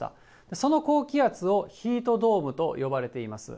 その高気圧をヒートドームと呼ばれています。